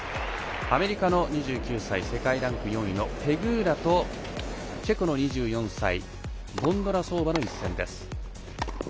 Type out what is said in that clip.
アメリカの２９歳世界ランク４位のペグーラとチェコの２４歳ボンドロウソバの一戦です。